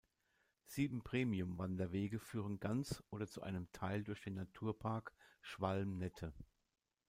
Sieben Premium-Wanderwege führen ganz oder zu einem Teil durch den Naturpark Schwalm-Nette.